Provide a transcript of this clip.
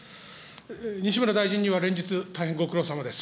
西村大臣には連日大変ご苦労さまです。